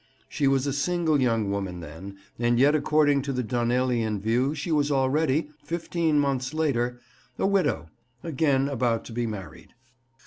She was a single young woman then, and yet according to the Donnellian view she was already, fifteen months later, a widow, again about to be married.